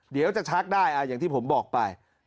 เดี๋ยวจะชักได้อย่างที่ผมบอกไป